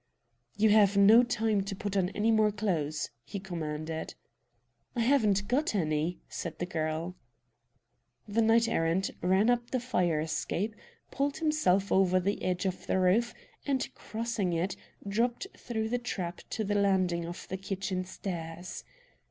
"You've no time to put on any more clothes," he commanded. "I haven't got any!" said the girl. The knight errant ran up the fire escape, pulled himself over the edge of the roof, and, crossing it, dropped through the trap to the landing of the kitchen stairs.